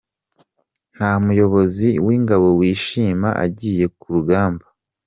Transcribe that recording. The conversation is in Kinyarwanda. Nta muyobozi w’ingabo wishima agiye ku rugamba.